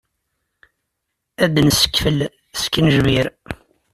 Ad d-nsekfel skenjbir.